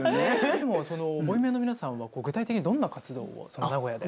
でもそのボイメンの皆さんは具体的にどんな活動を名古屋で。